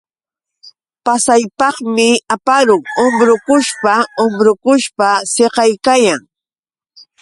Pasaypaqmi aparun umbrukushpa umbrukushpa siqaykayan.